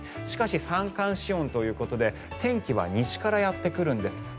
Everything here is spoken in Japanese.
しかし、三寒四温ということで天気は西からやってくるんです。